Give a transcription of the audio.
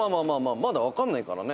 まだわかんないからね」